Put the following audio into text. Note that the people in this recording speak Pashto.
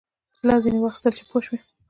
چې لاس ځینې واخیستل شي پوه شوې!.